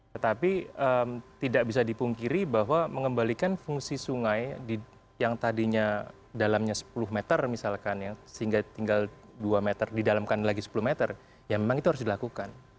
tetapi tidak bisa dipungkiri bahwa mengembalikan fungsi sungai yang tadinya dalamnya sepuluh meter misalkan sehingga tinggal dua meter didalamkan lagi sepuluh meter ya memang itu harus dilakukan